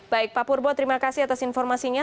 baik pak purbo terima kasih atas informasinya